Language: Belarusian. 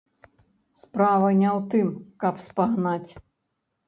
Справа не ў тым, каб спагнаць.